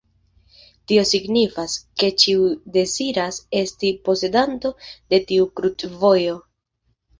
Tio signifas, ke ĉiu deziras esti posedanto de tiu krucvojo.